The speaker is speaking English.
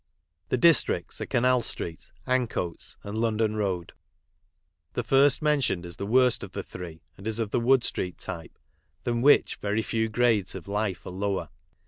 The districts are Canal street, An coats, and London road. The first mentioned is the worst of the three, and is of the Wood street type, than which very few grades of life are lower.